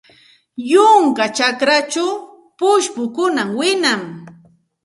Yunka chakrachaw pushkukunam wiñan.